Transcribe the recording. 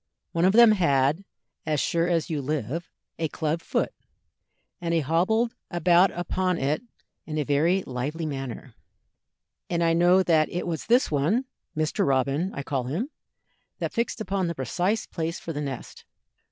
One of them had, as sure as you live, a club foot, and he hobbled about upon it in a very lively manner, and I know that it was this one Mr. Robin, I call him that fixed upon the precise place for the nest.